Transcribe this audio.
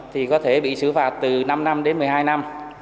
thì có thể bị xử phạt từ năm năm đến một mươi hai năm